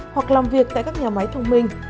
hoặc làm việc tại các nhà máy thông minh